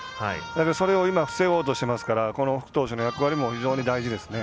それを防ごうとしてますから福投手の役割も非常に大事ですね。